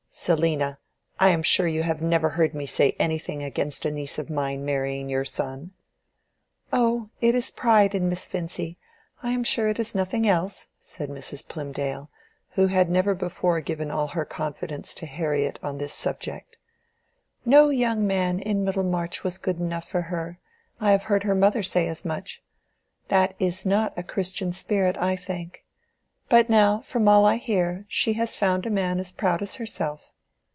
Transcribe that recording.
"Selina, I am sure you have never heard me say anything against a niece of mine marrying your son." "Oh, it is pride in Miss Vincy—I am sure it is nothing else," said Mrs. Plymdale, who had never before given all her confidence to "Harriet" on this subject. "No young man in Middlemarch was good enough for her: I have heard her mother say as much. That is not a Christian spirit, I think. But now, from all I hear, she has found a man as proud as herself."